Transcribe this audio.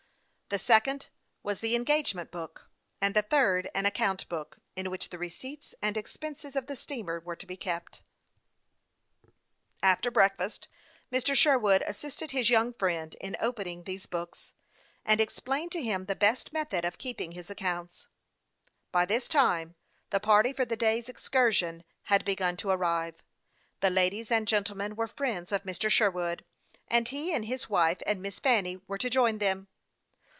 The second was the engagement book, and the third an account book, in which the receipts and expenses of the steamer were to be kept. After breakfast Mr. Sherwood assisted his young friend in opening these books, and explained to him the best method of keeping his accounts. By this time the party for the day's excursion had begun to arrive. The ladies and gentlemen were friends of Mr. Sherwood, and he and his wife and Miss Fanny were to join them.